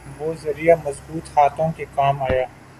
وہ ذریعہ مضبوط ہاتھوں کے کام آیا۔